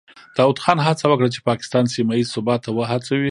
داود خان هڅه وکړه چې پاکستان سیمه ییز ثبات ته وهڅوي.